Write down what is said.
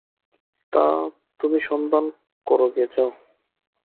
তা, তুমি সন্ধান করো গে যাও।